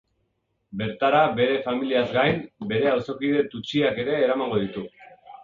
Bertara bere familiaz gain, bere auzokide tutsiak ere eramango ditu.